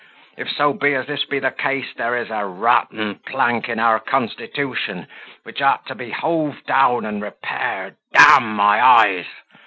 If so be as this be the case, there is a rotten plank in our constitution, which ought to be hove down and repaired, d my eyes!